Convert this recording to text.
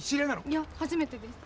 いや初めてです。